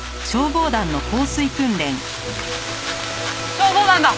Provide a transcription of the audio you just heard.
消防団だ！